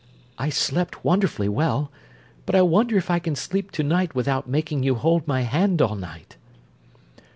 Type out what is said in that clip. "I slept wonderfully well, but I wonder if I can sleep to night without making you hold my hand all night?"